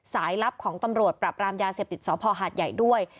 ลับของตำรวจปรับรามยาเสพติดสพหาดใหญ่ด้วย